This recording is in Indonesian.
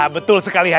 betul sekali ya